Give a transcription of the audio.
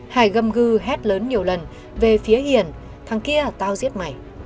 hải gâm gư hét lớn nhiều lần về phía hiền thằng kia tao giết mày